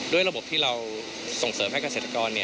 ระบบที่เราส่งเสริมให้เกษตรกร